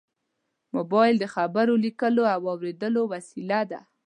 موبایل د خبرو، لیکلو او اورېدو وسیله ده.